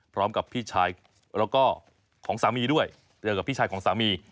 พร้อมกับพี่ชายแล้วก็ของสามีด้วยเจอกับพี่ชายของสามี